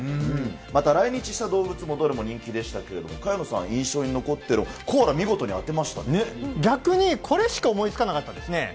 また来日した動物もどれも人気でしたけれども、萱野さん、印象に残ってる、コアラ、逆に、これしか思いつかなかったですね。